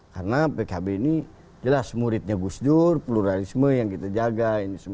karena pkb ini jelas muridnya gus dur pluralisme yang kita jaga